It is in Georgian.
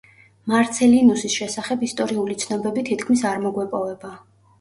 მარცელინუსის შესახებ ისტორიული ცნობები თითქმის არ მოგვეპოვება.